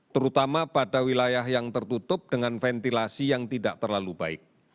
terutama pada wilayah yang tertutup dengan ventilasi yang tidak terlalu baik